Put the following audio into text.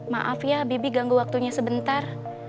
maaf ya habibie ganggu waktunya sebentar